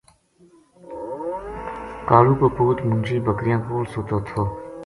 کالو کو پُوت منشی بکریاں کول سُتو تھو